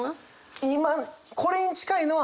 今これに近いのはライブ？